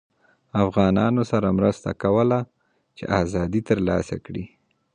افغانانوسره مرسته کوله چې ازادي ترلاسه کړي